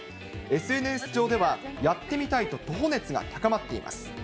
ＳＮＳ上では、やってみたいと徒歩熱が高まっています。